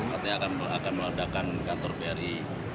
artinya akan meledakan kantor bri